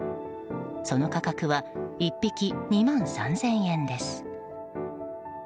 その価格は１匹２万３０００円です。